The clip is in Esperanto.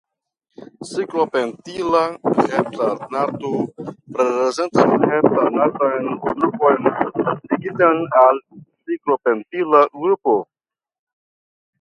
Ciklopentila heptanato prezentas heptanatan grupon ligitan al ciklopentila grupo.